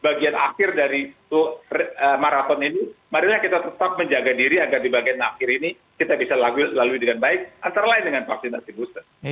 bagian akhir dari maraton ini marilah kita tetap menjaga diri agar di bagian akhir ini kita bisa lalui dengan baik antara lain dengan vaksinasi booster